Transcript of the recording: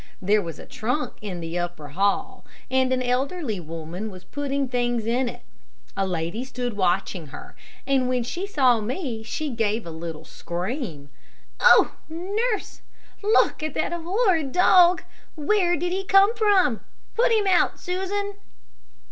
There was a trunk in the upper hall, and an elderly woman was putting things in it. A lady stood watching her, and when she saw me, she gave a little scream, "Oh, nurse! look at that horrid dog! Where did he come from? Put him out, Susan."